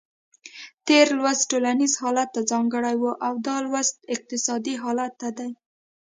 تېر لوست ټولنیز حالت ته ځانګړی و او دا لوست اقتصادي حالت ته دی.